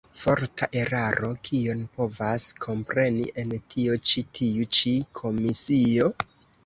Forta eraro: kion povas kompreni en tio ĉi tiu ĉi komisio?